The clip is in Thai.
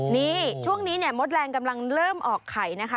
นี่ช่วงนี้เนี่ยมดแรงกำลังเริ่มออกไข่นะคะ